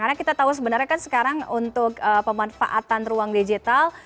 karena kita tahu sebenarnya kan sekarang untuk pemanfaatan ruang digital